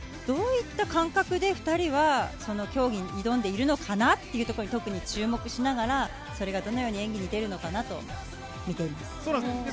どういった感覚で２人は競技に挑んでいるのかな？っていうところに特に注目しながらそれがどのように演技に出るのかとみています。